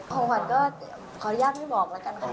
ของขวัญก็ขออนุญาตไม่บอกแล้วกันค่ะ